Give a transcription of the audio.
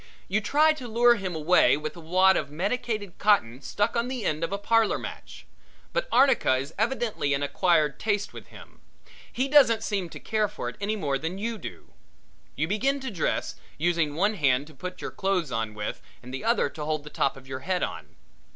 You try to lure him away with a wad of medicated cotton stuck on the end of a parlor match. But arnica is evidently an acquired taste with him. He doesn't seem to care for it any more than you do. You begin to dress, using one hand to put your clothes on with and the other to hold the top of your head on.